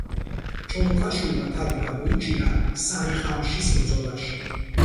ჩოლოყაშვილმა თავი გამოიჩინა სარიყამიშის ბრძოლაში.